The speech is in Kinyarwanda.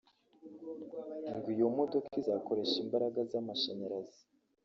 ngo iyo modoka izakoresha imbaraga z’amashanyarazi